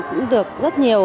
cũng được rất nhiều